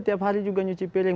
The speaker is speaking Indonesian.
tiap hari juga nyuci piring